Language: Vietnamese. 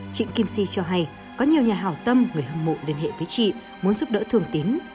trịnh kim chi cho hay có nhiều nhà hào tâm người hâm mộ liên hệ với chị muốn giúp đỡ thương tín